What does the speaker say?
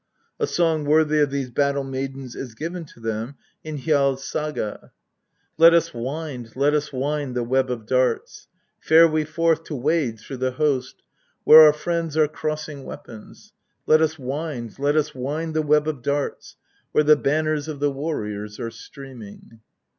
A song worthy of these battle maidens is given to them in Njls Saga : Let us wind, let ns wind the web of darts ! fare we forth to wade through the host where our friends are crossing weapons. Let us wind, let us wind the web of darts where the banners of the warriors are streaming